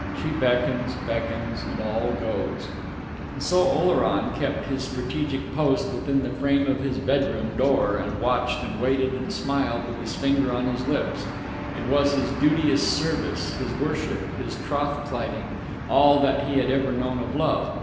She beckons, beckons, and all goes.... And so Oleron kept his strategic post within the frame of his bedroom door, and watched, and waited, and smiled, with his finger on his lips.... It was his duteous service, his worship, his troth plighting, all that he had ever known of Love.